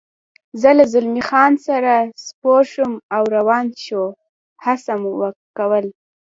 زه له زلمی خان سره سپور شوم او روان شو، هڅه مو کول.